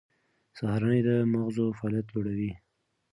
سهارنۍ د مغزو فعالیت لوړوي.